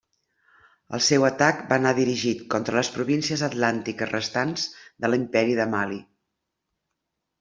El seu atac va anar dirigit contra les províncies atlàntiques restants de l'Imperi de Mali.